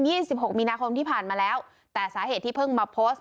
สิบหกมีนาคมที่ผ่านมาแล้วแต่สาเหตุที่เพิ่งมาโพสต์